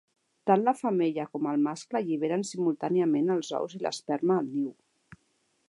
Tant la femella com el mascle alliberen simultàniament els ous i l'esperma al niu.